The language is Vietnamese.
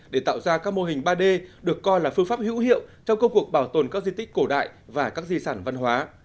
để tạo ra các mô hình ba d được coi là phương pháp hữu hiệu trong công cuộc bảo tồn các di tích cổ đại và các di sản văn hóa